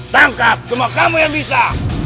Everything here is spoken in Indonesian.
tangkap cuma kamu yang bisa